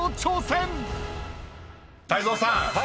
［泰造さん